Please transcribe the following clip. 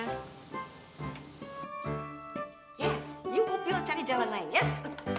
yes you up you up cari jalan lain yes